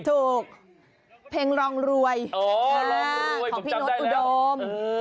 เพลงรองรวยของพี่โน๊ตอุดม